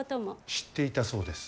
知っていたそうです。